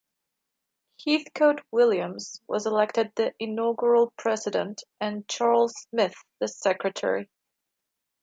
Heathcote Williams was elected the inaugural president, and Charles Smith the secretary.